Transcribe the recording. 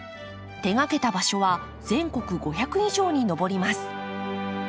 手がけた場所は全国５００以上に上ります。